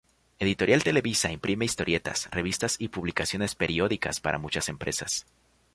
Editorial Televisa imprime historietas, revistas y publicaciones periódicas para muchas empresas.